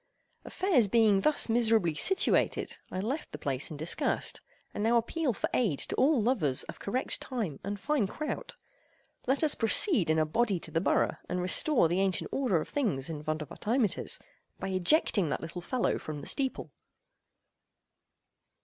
Affairs being thus miserably situated, I left the place in disgust, and now appeal for aid to all lovers of correct time and fine kraut. Let us proceed in a body to the borough, and restore the ancient order of things in Vondervotteimittiss by ejecting that little fellow from the steeple.